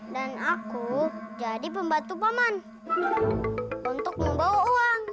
dan aku jadi pembantu pak man untuk membawa uang